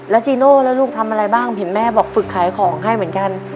จีโน่แล้วลูกทำอะไรบ้างเห็นแม่บอกฝึกขายของให้เหมือนกัน